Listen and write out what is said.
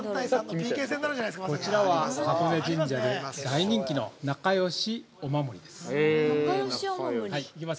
こちらは、箱根神社で大人気の和合御守です。